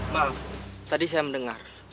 ma'am tadi saya mendengar